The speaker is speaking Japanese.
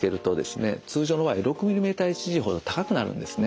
通常の場合６ｍｍＨｇほど高くなるんですね。